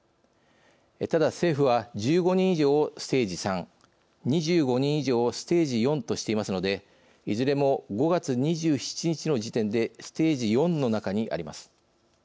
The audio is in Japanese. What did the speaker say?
ただ、政府は１５人以上をステージ３２５人以上をステージ４としていますのでいずれも、５月２７日の時点でステージ４の中にあります。